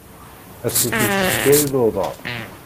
Asif yessesway luḍa.